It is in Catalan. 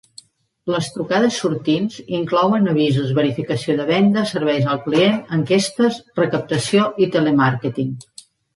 Les trucades sortints inclouen avisos, verificació de vendes, serveis al client, enquestes, recaptació i telemàrqueting.